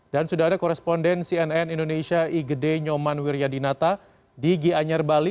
dan sudah ada koresponden cnn indonesia i gede nyoman wiryadinata di giyanyar bali